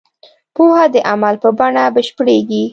پوهه د عمل په بڼه بشپړېږي.